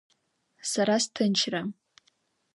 Сара сҭынчра…